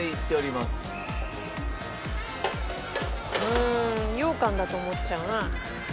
うーん羊かんだと思っちゃうな。